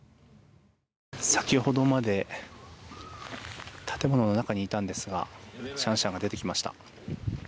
先ほどまで建物の中にいたんですがシャンシャンが出てきました。